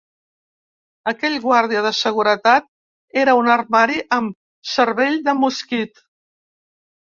Aquell guàrdia de seguretat era un armari amb cervell de mosquit.